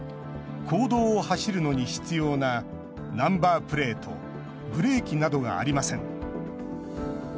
公道を走るのに必要なナンバープレートブレーキなどがありません。